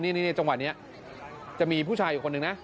นี่จังหวะนี้จะมีผู้ชายอยู่คนหนึ่งนะ